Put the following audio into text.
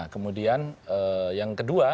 kemudian yang kedua